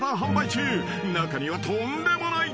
［中にはとんでもないグッズも］